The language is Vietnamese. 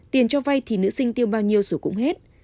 tiền cho vay thì nữ sinh tiêu bao nhiêu rồi cũng hết